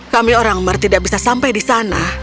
kami orang mer tidak bisa sampai di sana